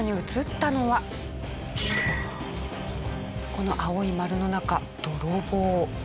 この青い丸の中泥棒。